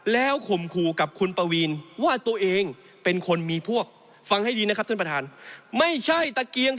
แล้วคมคู่กับคุณปวีน